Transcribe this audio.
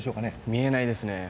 見えないですね。